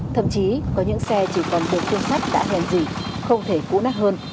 thậm chí có những xe chỉ còn được tương sắc đã hèn dị không thể cũ nát hơn